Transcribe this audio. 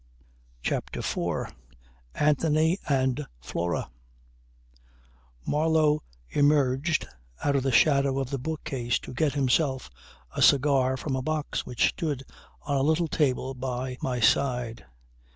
CHAPTER FOUR ANTHONY AND FLORA Marlow emerged out of the shadow of the book case to get himself a cigar from a box which stood on a little table by my side.